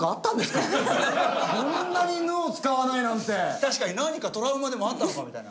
確かに何かトラウマでもあったのかみたいな。